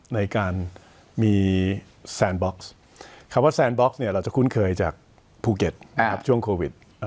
ในการมีแซนบ็อกซ์คำว่าแซนบล็อกเนี่ยเราจะคุ้นเคยจากภูเก็ตช่วงโควิด